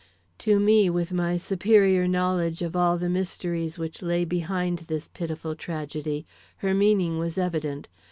To me, with my superior knowledge of all the mysteries which lay behind this pitiful tragedy, her meaning was evident.